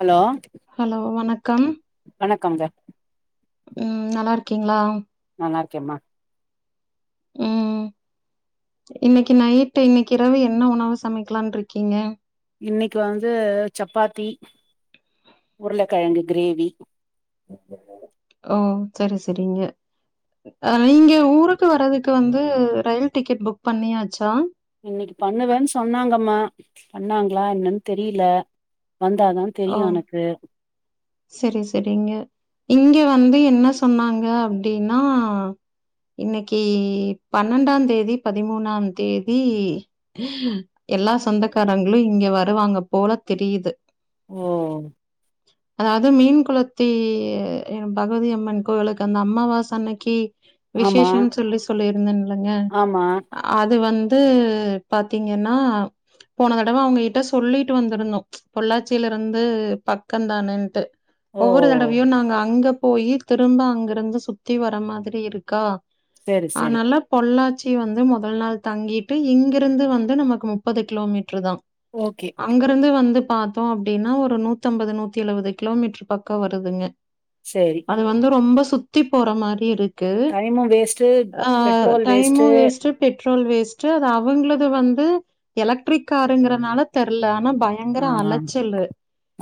Hello hello வணக்கம் வணக்கம்ங்க ம் நல்லாருக்கீங்களா நல்லாருக்கேம்மா ம் இன்னைக்கு நைட் இன்னைக்கு இறவு என்ன உணவு சமைக்கலான்ருக்கீங்க இன்னைக்கு வந்து சப்பாத்தி உருளக்கெழங்கு கிரேவி ஓ சரி சரிங்க அ இங்க ஊருக்கு வர்றதுக்கு வந்து ரயில் டிக்கெட் புக் பண்ணியாச்சா இன்னைக்கு பண்ணுவேன்னு சொன்னாங்கம்மா பண்ணாங்களா என்னன்னு தெரியல வந்தாதா ஓ தெரியு எனக்கு சரி சரிங்க இங்க வந்து என்ன சொன்னாங்க அப்டின்னா இன்னைக்கு பன்னெண்டாந்தேதி பதிமூனாந்தேதி எல்லா சொந்தக்காரங்களு இங்க வருவாங்க போல தெரியுது ஓ அது மீன் குளத்தி பகவதி அம்மன் கோவிலுக்கு அந்த அம்மாவாச அன்னைக்கு ஆமா விசேஷம்னு சொல்லி சொல்லியிருந்தேன்லங்க ஆமா அது வந் து பாத்தீங்கன்னா போன தடவ அவங்ககிட்ட சொல்லிட்டு வந்திருந்தோ பொள்ளாச்சிலருந்து பக்கந்தான டு ஓ ஒவ்வொரு தடவையு நாங்க அங்க போய்யி திரும்ப அங்கிருந்து சுத்தி வர மாதிரி இருக்கா சரி சரி ஆனால பொள்ளா ச்சி வந்து முதல் நாள் தங்கிட்டு இங்கிருந்து வந்து நமக்கு முப்பது கிலோமீட்டருதா ஓகே அங்கிருந்து வந்து பாத்தோ அப்படின்னா ஒரு நூத்தம்பது நூத்தி எழுபது கிலோமீட்டர் பக்க வருதுங்க சரி அது வந்து ரொம்ப சுத்தி போற மாரி இருக் கு time waste time waste petrol waste அது அவங்களது வந்து எலக்ட்ரிக் காருங்கிறதுனால தெரல ஆனா ஆ பயங்கர அலச்சல்லு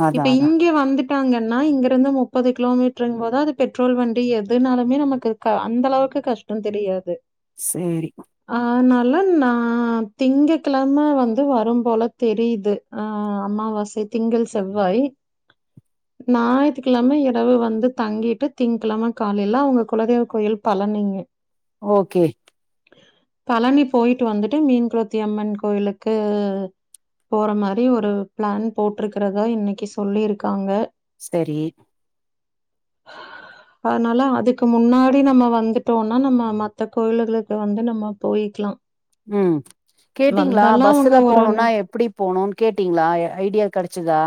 அதா இப்ப அதா இங்க வந்துட் டாங்கன்னா இங்கிருந்து முப்பது கிலோமீட்டர் போது அது பெட்ரோல் வண்டி எதுனாலுமே நமக்கு அந்த அளவுக் கு கஷ்ட தெரியாது சேரி நா திங்க கெழமை வந்து வரும் போல தெரியுது அ அம்மாவாசை திங்கள் செவ்வாய் ஞாயத்துக்கிழமை இரவு வந்து தங்கிட்டு திங்கிழமை காலையில அவங்க குலதெய்வ கோயில் பழனி ங்க ஓகே பழனி போயிட்டு வந்துட்டு மீன் குருத்தி அம்மன் கோயிலுக்கு போற மாரி ஒரு பிளான் போட்டிருக்கிறதா இன்னைக்கு சொல்லிருக்காங்க செரி அதனால அதுக்கு முன்னாடி நம்ம வந்துட்டோனா நம்ம மத்த கோயில்களுக்கு வந்து நம்ம போயிக்கலா ம் கேட்டீங்களா அவங்க பஸ்ல ஒரு ந போனுனா எப்டி போணுனு கேட்டீங்களா ஐடியா கிடைச்சதா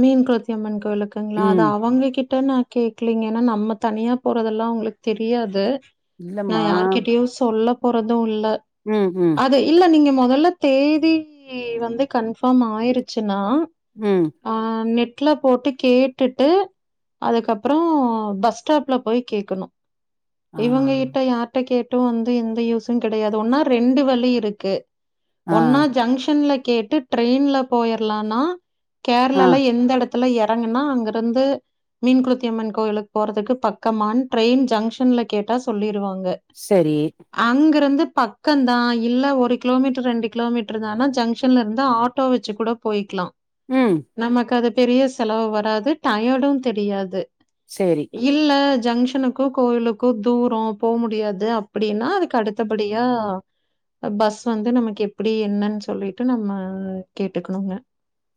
மீன் குளத்தியம்மன் கோயிலுக்ங்களா அது ம் அவுங்க கிட் ட்ட கேக்லீங்க நம்ம தனியா போறதெல்லா அவுங்களுக் தெரியாது நா இல்லம்மா யார்கிட்டயு சொல்ல போறது இல்ல ம் ம் அது இல்ல நீங்க மொ நல்ல தேதி வந்து கன்ஃபார்ம் ஆயிருச்சுனா ம் ஆ நெட்ல போட்டு கேட்டுட்டு அதுக்கப்றோ பஸ் ஸ்டாப்ல போய் கேக்கணு ஆ இவுங்க கிட்ட யார்ட்ட கேட்டு வந்து எந்த யூஸு கெடையாது ஒன்னா ரெண்டு வலி இருக்கு ஆ ஒன்னா ஜங்ஷன்ல கேட்டு ட்ரெயின்ல போயிற்லானா ஆ கேரளால எந்த எடத்துல எறங்குனா அங்கருந்து மீன் குலத்தியம்மன் கோயிலுக்கு போறதுக்கு பக்கமானு ட்ரெயின் ஜங்ஷன்ல கேட்டா சொல்லிருவாங் ங்க சரி அங்கிருந்து பக்கந்தா இல்ல ஒரு கிலோமீட்டர் ரெண்டு கிலோமீட்டர் தானா ஜங்ஷன்ல இருந்து ஆட்டோ வச்சு கூட போயிக்லா ம் நமக்கு அது பெரிய செலவு வராது டயடு தெரியாது சரி இல்ல ஜங்ஷனுக்கு கோயிலுக்கு தூர போ முடியாது அப்டினா அதுக்கு அடுத்தபடியா பஸ் வந்து நமக்கு எப்டி என்னன் சொல்லிட்டு நம்ம கேட்டுகுணுங்க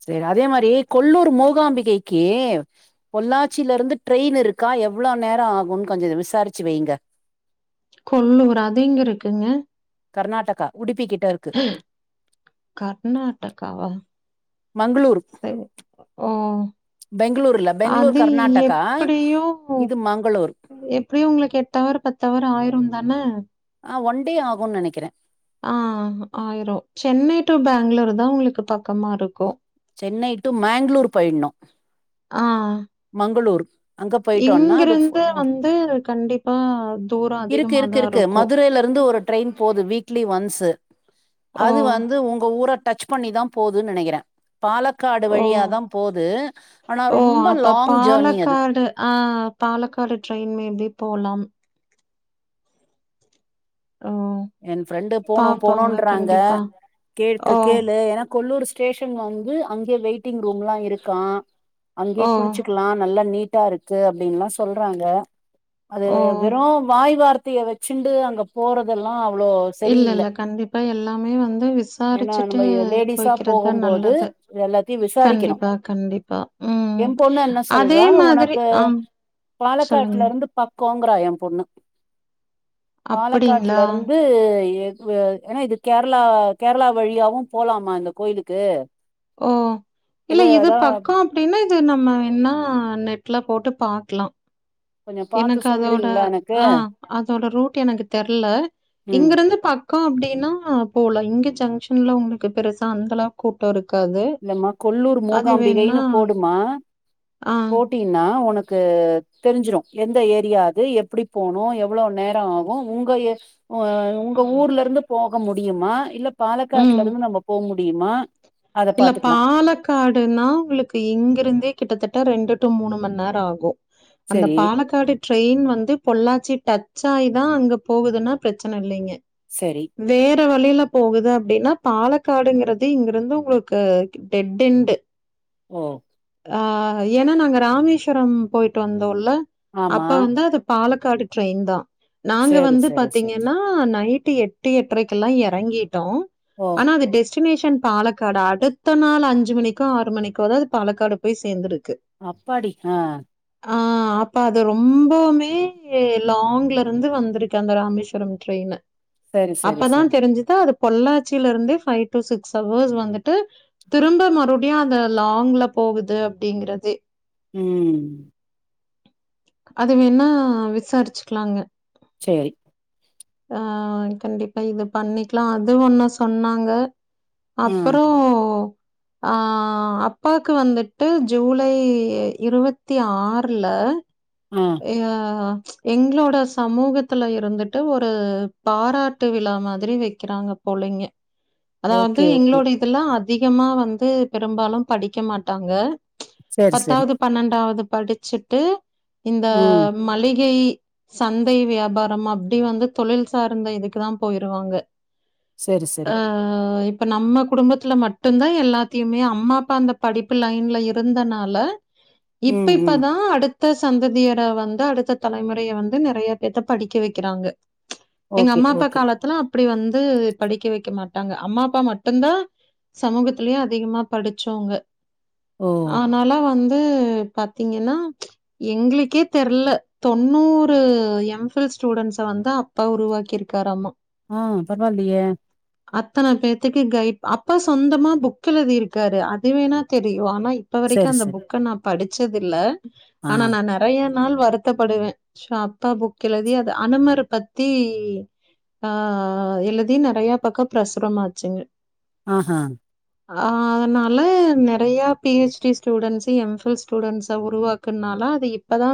செரி அதே மாரி கொல்லூர் மூகாம்பிகை கி பொள்ளாச்சில இருந்து ட்ரெயின் இருக்கா எவ்ளோ நேர ஆகுனு கொஞ்சோ இத விசாரிச்சு வைங்க கொல்லூரா அது எங்க இருக்குங்க கர்நாடகா உடுப்பி கிட் கர்நாடகாவா மங்களூர் செரி ஓ பெங்களூர் இல்ல பெங்களூர் அது கர்நாடகா எப்டியு இது மங்களூர் எப்டியு உங்ளுக்கு எட்டா ஒன் அவர் பத்தவர் ஆயிருந்தான ஆ ஒன் டே ஆகுனு நெனக்கிற ஆ ஆயிரு சென்னை டு பேங்களூர் தா உங்ளுக்கு பக்கமா இருக்கு சென்னை டு மேங்ளூர் போயிட்ணு ஆ உங்களூரு அங்க போயிட்டோனா அது ஃபு இங்கிருந்து வந்து கண்டிப்பா தூரம் இருக்கு அதிகமா இருக்கு தான் இருக்கு இருக்கும். மதுரைல இருந் து ஒரு ட்ரெயின் போது வீக்லி ஒன்ஸ் து ஓ! அது வந்து உங்க ஊர டச் பண்ணி தா போதுனு நெனக்கிற பாலக்காடு ஓ! வழியா தா போது ஆனா ஓ! ரொம் அப்ப பாலக்காடு ஆ பாலக்காடு ட்ரெயின் மேபி போலா ஓ! என் ஃப்ரெண்டு போனு பாப்போங்க போனுன்றாங்க கண்டிப்பா. கேக் ஓ! கேளு ஏனா கொல்லூர் சை ஸ்டேஷன் வந்து அங்கே வெயிட்டிங் ரூம்லா இருக்கா அங்கேயே ஓ! குளிச்சுக்லா நல்லா நீட் டா இருக்கு அப்படின்லா சொல்றாங்க அது ஓ! வெறு வாய் வார்த் தைய வச்சுன்டு அங்க போறதெலா அவ்ளோ இல்ல, சரியில்ல இல்ல. கண்டிப்பா எல்லாமே வந்து ஏனா விசாரிச்சுட்டு நம்ம லேடிஸா போய்க்கிறது தான் போகும்போது நல்லது. எல்லாத்தையு விசாரிக்கணு கண்டிப்பா, கண்டிப்பா. ம். என் பொண்ணு என்ன அதே சொல்றா மாதிரி உனக்கு ஆ சொல்லுங்க. பாலக்காட்லருந்து பக்கோங்ரா ஏ பொண்ணு அப்படிங் வீட்லருந்து ஏ வு ஏனா இது கேரளா கேரளா வழியாவு போலாமா இந்த கோயிலுக்கு ஓ இல்ல இது பக்கோ அப்டினா அது நம்ம வேன்னா நெட்ல போட்டு பாக்லா [unintelligible] எனக்கு அதோட சொல்றீங்களா எனக்கு ஆ அதோட ரூட் எனக்கு தெர்ல ம் இங்கருந்து பக் அக்கா அப்படின்னா போலா இங்க ஜங்ஷன்ல உங்களுக்கு பெருசா அந்தளவுக் கூட்ட இருக் இல்லமா கொல்லூர் மூகாம்பிகைன்னு போடுமா ஆ, போட்டினா உனக் கு தெரிஞ்சிரு எந்த ஏரியா அது எப்படி போனு எவ்வளவு நேர ஆகு உங்க ஏ அ ஒங்க ஊர்லருந்து போக முடியுமா இல்ல பாலக்காட்டுல ம். இருந்து நம்ம போக முடியுமா அத இல்ல பாத்துக்கலா பாலக்காடுன்னா உங்களுக்கு இங்கிருந்தே கிட்டத்தட்ட ரெண்டு டு மூணு மண் நேர ஆகு அந்த செரி பாலக்காடி ட்ரெயின் வ வந்து பொள்ளாச்சி டச்ச ஆாயி தா அங்க போகுதுன்னா பிரச்சனை இல்லைங்க சரி வர வழியில போகுது அப்படின்னா பாலக்காடுங்கிறது இங்கிருந்து உங்களுக் கு டெட் என்டு ஓ.. ஆ ஏன்னா நாங்க ராமேஸ்வரம் போயிட்டு வந்தோம்ல அப்ப ஆமா வந்து அது பால க்காடு டெயின் தா நாங்க செரி வந்து செரி செரி பாத்தீங்கன்னா நைட்டு எட்டு எட்டரைக்கெல்லா எறங்கிட் ஓ ஆனா அது டெஸ்டினேஷன் பாலக்காடு அடுத்த நாள் அஞ்சு மணிக்கோ ஆறு மணிக்கோ அதாவது பாலக்காடு போய் சேந்துரு அப்பாடி ஆ ஹ அப்ப அது ரொம்பவுமே லாங்ல இருந்து வந்திருக்கு அந்த ராமேஸ்வரம் ட்ரெயினு செரி செரி அப்பதா செரி தெரிஞ்சுது அது பொள்ளாச்சியில இருந்தே பைவ் டு சிக்ஸ் அவர்ஸ் வந்துட்டு திரும்ப மறுபடியு அந்த லாங்ல போகுது அப்படிங்கிறதே ம் அது வேணா விசாரிச்சுக்கலாங்க சேரி ஆ கண்டிப்பா இது பண்ணிக்கலா அது ஒன்னு சொன்னாங்க ஆ அப்புறோ ஆ அப்பா க்கு வந்துட்டு ஜூலை இருபத்தி ஆறுல ஏ ஆ எங்களோட சமூகத்துல இருந்துட்டு ஒரு பாராட்டு விழா மாதிரி வைக்கிறாங்க போலிங்க ஓகே அதாவாவந்து ஓகே எங்களோட இதுல்லா அதிகமா வந்து பெரும்பாலும் படிக்க மாட்டாங்க சரி சரி பத்தாவது பன்னெண்டாவது படிச்சுட்டு இந்த ம் மளிகை சந்தை வியாபாரம் அப்டி வந்து தொழில் சார்ந்த இதுக்கு தா போயிருவாங்க சரி ஆ சரி இப் ப நம்ம குடும்பத்துல மட்டுந்தா எல்லாத்தையுமே அம்மா அப்பா அந்த படிப்பு லைன்ல இருந்தனால இப்ப ம் ம் இப்பதா அடுத் சந்ததியர வந்து அடுத்த தலைமுறைய வந்து நறைய பேத்த படிக்க வைக்கிறாங்க எங்க ஓகே அம்மா அப்பா ஓகே காலத்தலா அப்படி வந்து படிக்க வைக்க மாட்டாங்க அம்மா அப்பா மட்டு தா சமூகத்திலயே அதிகமா படிச்சோங்க ஓ ஆனால வந்து பாத்தீங்கன்னா எங்களுக்கே தெர்ல தொண்ணூறு எம் ஃபில் ஸ்டூடண்ட்ஸ வந்து அப்பா உருவாக்கிருக் கிகாராமா ஆ பரவால்லையே அத்தனை பேத்துக்கு கைப் அப்பா சொந்தமா புக் எழுதி இருக்காரு அதுவேணா தெரியு ஆனா இப்ப வரைக்கு சரி அந்த சரி புக்க நா படிச்சதில்ல ஆ ஆனா நா நறையன் நாள் வருத்தப்படுவே சா அப்பா புக் எழுதி அது அனுமர் பத்தி ஆ எழுதி நறைய பக்க பிரசுரமாச்சுங்க ஆஹ்ஹ ஆ அதனால நறைய பிஹச்டி ஸ்டூடெண்ட்ஸ் எம்ஃபில் ஸ்டூடண்ட்ஸ உருவாக் இருக்குனால அது இப்பதா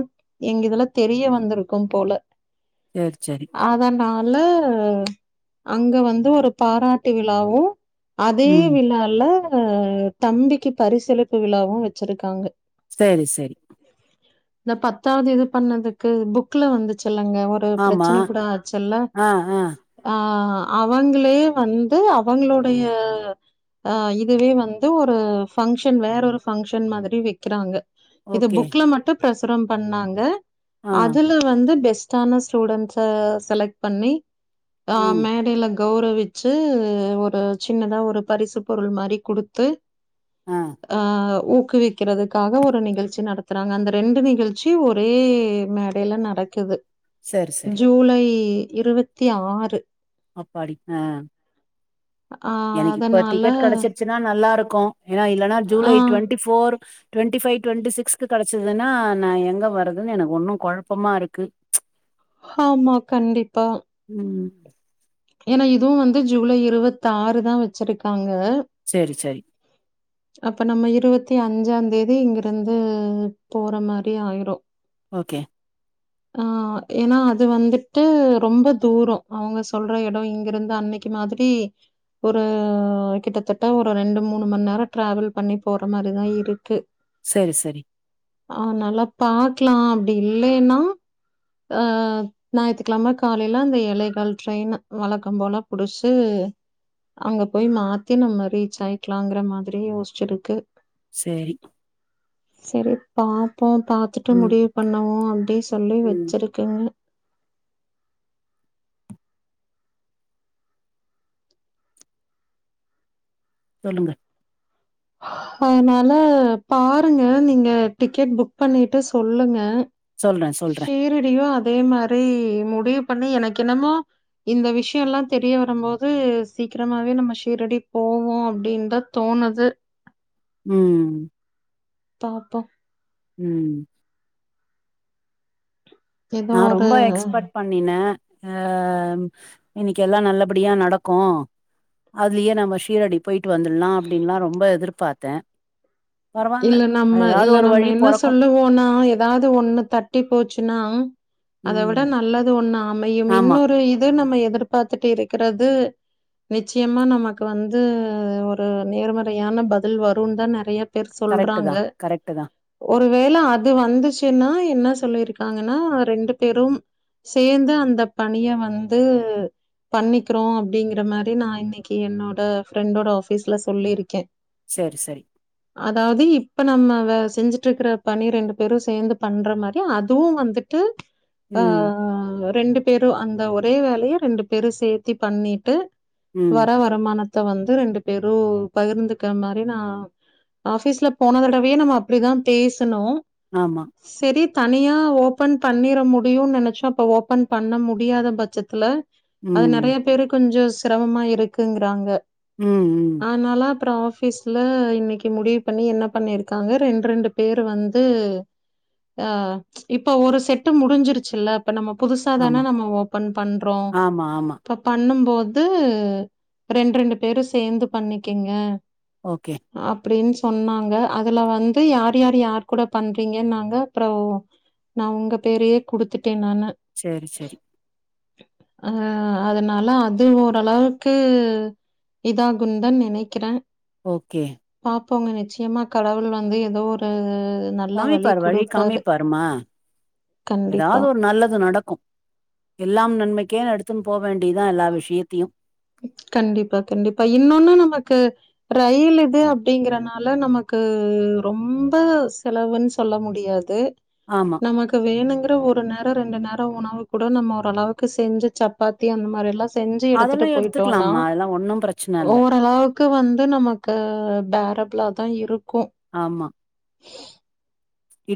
எங்க இதுல தெரிய வந்திருக்கு போல சேரி சேரி ல்ல அங்க வந்து ஒரு பாராட்டு விழாவு அதே ம் விழால தம்பிக்கு பரிசளிப்பு விழாவு வச்சிருக்காங்க சேரி சேரி இந்த பத்தாவது இது பண்ணதுக்கு புக்ல வந்துச்சு ல்லங்க ஒரு ஆமா பிரச்சனை கூட ஆச்சல்ல ஆ ஆ ஆ அவங்களே வந்து அவங்களுடைய அ இதுவே வந்து ஒரு பஃங்க்ஷன் வேற ஒரு பஃங்க்ஷன் மாதிரி வெய்க்குறாங்க இது ஓகே புக்ல மட்டு பிரசுரம் பண்ணாங்க ஆ அதுல வந்து பெஸ்ட் டான ஸ்டுடன்ஸ செலக்ட் பண்ணி ஆ ம் மேடைல கௌரவிச்சு ஒரு சின்னதா ஒரு பரிசு பொருள் மாதிரி கொடுத்து ஆ அ ஊக்குவிக்கிறதுக்காக ஒரு நிகழ்ச் சி நடத்துறாங்க அந்த ரெண்டு நிகழ்ச்சி ஒரே மேடையில நடக்குது சரி சரி ஜூலை இருவத்தி ஆறு அப்பாடி ஆ ஆ எனக்கு இப்ப அதனால டிக்கெட் கடைச்சிருச்சுன்னா நல்லா இருக்கு ஏன்னா இல்லன்னா ஆ July twenty four twenty five twenty சிக்ஸ்கு கடைச்சதுன்னா நா எங்க வர்றதுன்னு எனக்கு ஒன்னு கொழப்பமா இருக்கு ஆமா கண்டிப்பா ம் ஏன்னா இதுவு வந்து ஜூலை இருவத்தாறுதா வச்சிருக்காங்க சேரி சேரி அப்ப நம்ம இருவத்தி அஞ்சாந் தேதி இங்கிருந்து போற மாரி ஆயிரு ஓகே ஆ ஏன்னா அது வந்துட்டு ரொம்ப தூர அவங்க சொல்ற எட இங்கிருந்து அண் அன்னைக்கு மாதிரி ஒரு கிட்டத்தட்ட ஒரு ரெண்டு மூணு மண நேர ட்ராவல் பண்ணி போற மாரி தா இருக்கு. சரி சரி ஆனால பாக்கலா அப்டி இல்லைன்னா ஆ ஞாயித்துக்கிழம காலையில அந்த ஏலேகால் ட்ரெயின்னு வழக்க போல புடிச்சு அங்க போய் மாத்தி நம்ம ரீச் ஆயிக்கலாங்கிற மாதிரி யோசிச்சிருக்கு சேரி சரி பாப்போ பாத்துட்டு ம் முடிவு பண்ணுவோ அப்டி சொல்லி வச் ம் இருக்கங்க சொல்லுங்க அதனால பாருங்க நீங்க டிக்கெட் புக் பண்ணிட்டு சொல்லுங்க சொல்ற சொல்ற ஷீரடியும் அதே மாரி முடிவு பண்ணி எனக்கு என்னமோ இந்த விஷயல்லா தெரிய வரும் போது சீக்கிரமாவே நம்ம ஷீரடி போவோ அப்டீனுதா தோணுது ம் பாப்போ ம் ஏதோ நா ஒரு ரொம்ப எக்ஸ்பர்ட் பண்ணினே ஆ இன்னைக்கு எல்லா நல்லபடியா நடக்கு அதுலயே நம்ம ஷீரடி போயிட்டு வந்துடலா அப்படின்னுல்லா ரொம்ப எதிர்பார்த்தே பரவால்ல இல்ல நம்ம ஏதாவது இல்ல ஒரு நம்ம வழி என்ன பொறக்கு சொல்லுவோம்னா ஏதாவது ஒண்ணு தட்டி போச்சுன்னா அத விட ம் நல்லது ஒண்ணு அமையும் ஆமா இன்னொரு இது நம்ம எதிர்பார்த்துட்டு இருக்கிறது நிச்சயமா நமக்கு வந்து ஒரு நேர்மறையான பதில் வருனுதா நெறைய பேர் கரெக்ட் சொல்றாங்க தா கரெக்ட் தா ஒ ஒரு வேள அது வந்துச்சுன்னா என்ன சொல்லிருக்காங்கன்னா ரெண்டு பேரும் சேந்து அந்த பணிய வந்து பண்ணிக்றோ அப்டிங்கிற மாரி நா இன்னைக்கு என்னோட ஃப்ரண்டோட ஆஃபீஸ்ல சொல்லிருக்கே செரி சரி அதாவ்து இப்ப நம்ம வே செஞ்சிட்ருக்கற பணிரண்டு பேரு சேந்து பண்ற மாரி அதுவு வந் துட்டு ஆ ம் ரண்டு பேரு அந்த ஒரே வேலய ரண்டு பேரு சேத்தி பண்ணிட்டு ம் வர வருமானத்த வந்து ரெண்டு பேரு பகிர்ந்துக்கிற மாரி நா ஆபீஸ்ல போன தடவயே நம்ம அப்டிதா பேசனோ ஆமா செரி தனியா ஓபன் பண்ணிர முடியும்னு நெனச்சோ அப்ப ஓப்பன் பண்ண முடியாத பட்சத்துல அது ம் நறைய பேரு கொஞ்ச சிரமமா இருக்குங்றாங்க ம் ம் அப்ற ஆஃபிஸ்ல இன்னக் கி முடிவ் பண்ணி என்ன பண்ணிர்க்காங்க ரெண்ட் ரெண்டு பேரு வந்து ஆ இப்ப ஒரு செட்டு முடிஞ்சிருச்சில்ல இப்ப நம்ம புதுசா தான ஆமா நம்ம ஓப்பன் பண்றோம் ஆமா ஆமா அப்ப பண்ணும் போ து ரெண்ட் ரெண்டு பேரு சேந்து பண்ணிக்கிங்க ஓகே அப்டின் சொன்னாங்க அதல வந்து யார்யார் யார் கூட பண்றிங்கனாங்க அப்றோ நா உங்க பேரயே குடுத்திட்டே நானு சேரி சரி அ அதனால அது ஓரளவுக்கூ இதாகுண்தா நெனைக்கறே ஓக்கே பாப்போங்க நிச்சயமா கடவுள் வந்து ஏதோ ஒரு நல்ல காமிப்பாரு வழி குடுப்பாரு. காமிப்பாரு மா கண்டிப்பா. எதாவ்து ஒரு நல்லது நடக்கு எல்லாம் நன்மை க்கேனு எடுத்துன் போ வேண்டிதா எல்லா விஷியத்தியு கண்டிபா கண்டிபா இன்னொன்னு நமக்கு ரயிலிது அப்டிங்கறனால நமக்கு ரொம்ப செலவுன் சொல்ல முடியாது ஆமா நமக்கு வேணுங்ற ஒரு நேர ரண்டு நேர ர உணவு கூட நம்ம ஓரளவுக்கு செஞ்சி சப்பாத்தி அந்த மாரியெலா செஞ்ஜீ எடுத்திட்டு அதெல்லா டோனா எடுத்துக்கலாம்மா அதெல்லா ஒன்னும் பிரச்சன இல்ல ஓரளவ்க்கு வந்து நமக்கு பே ஃபேரபலதா இருக்கு ஆம்மா [inaudible]